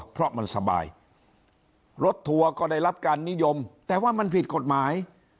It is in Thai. เพราะมันสบายรถทัวร์ก็ได้รับการนิยมแต่ว่ามันผิดกฎหมาย